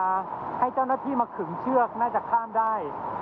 ให้เจ้าหน้าที่มาขึงเชือกน่าจะข้ามได้